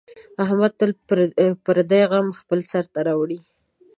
احمد تل پردي غمونه خپل سر ته راوړي.